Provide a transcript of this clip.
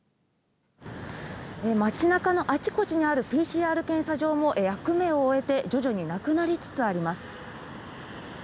街中のあちこちにあるＰＣＲ検査場も役目を終えて、徐々になくなりつつあります。